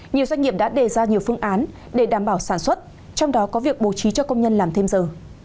nhiều doanh nghiệp đã đề ra nhiều phương án để đảm bảo sản xuất trong đó có việc bố trí cho công nhân làm thêm giờ